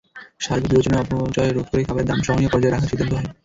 সার্বিক বিবেচনায় অপচয় রোধ করে খাবারের দাম সহনীয় পর্যায়ে রাখার সিদ্ধান্ত হয়।